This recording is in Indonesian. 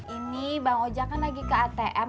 ini bang oja kan lagi ke atm